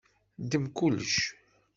Ddem kullec.